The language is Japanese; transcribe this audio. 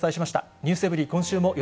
ｎｅｗｓｅｖｅｒｙ．今週もよ